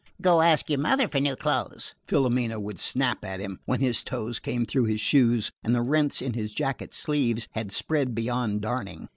"Go ask your mother for new clothes!" Filomena would snap at him, when his toes came through his shoes and the rents in his jacket sleeves had spread beyond darning.